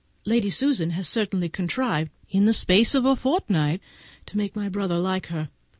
Lady Susan has certainly contrived, in the space of a fortnight, to make my brother like her.